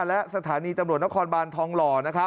และสถานีตำรวจนครบานทองหล่อ